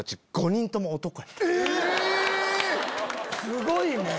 すごいね！